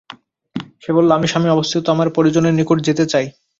সে বলল, আমি শামে অবস্থিত আমার পরিজনের নিকট যেতে চাই।